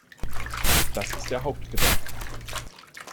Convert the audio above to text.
Das ist der Hauptgedanke.